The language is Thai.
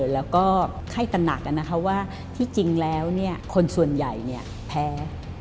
แล้วก็ให้ตนักว่าที่จริงแล้วคนส่วนใหญ่แพ้